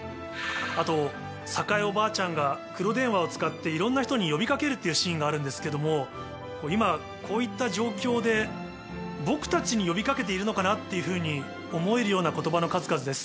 あと栄おばあちゃんが黒電話を使っていろんな人に呼び掛けるっていうシーンがあるんですけども今こういった状況で僕たちに呼び掛けているのかなっていうふうに思えるような言葉の数々です。